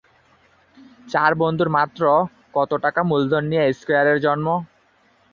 চার বন্ধুর মাত্র কত টাকা মূলধন নিয়ে স্কয়ারের জন্ম?